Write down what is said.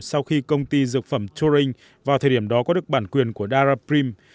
sau khi công ty dược phẩm turing vào thời điểm đó có được bản quyền của daraprim